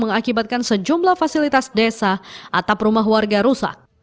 mengakibatkan sejumlah fasilitas desa atap rumah warga rusak